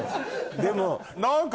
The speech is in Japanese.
でも何か。